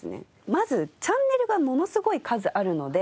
まずチャンネルがものすごい数あるので。